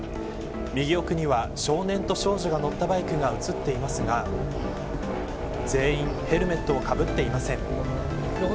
右奥には少年と少女が乗ったバイクが映っていますが全員ヘルメットをかぶっていません。